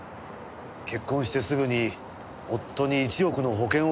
結婚してすぐに夫に１億の保険をかけたんですからね。